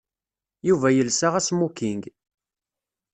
Yuba yelsa asmoking.